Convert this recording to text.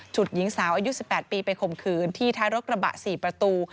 หญิงสาวอายุ๑๘ปีไปข่มขืนที่ท้ายรถกระบะ๔ประตู